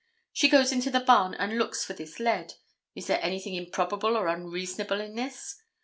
She goes into the barn and looks for this lead. Is there anything improbable or unreasonable in this?